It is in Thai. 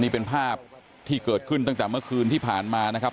นี่เป็นภาพที่เกิดขึ้นตั้งแต่เมื่อคืนที่ผ่านมานะครับ